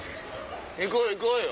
行こうよ行こうよ！